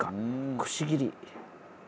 くし切り。